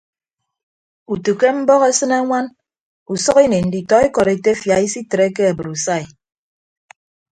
Utu ke mbọk esịne añwan usʌk ini nditọ ikọd etefia isitreke abrusai.